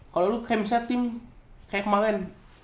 kalau lu kayak misalnya tim kayak kemarin